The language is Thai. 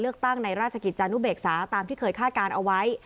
ตั้งในราชกิจจานุเบกษาตามที่เคยคาดการณ์เอาไว้